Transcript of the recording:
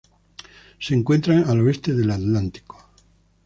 Se encuentran al oeste del Atlántico.